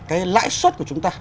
cái lãi suất của chúng ta